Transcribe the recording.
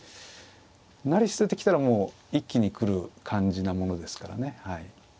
成り捨ててきたらもう一気に来る感じなものですからね。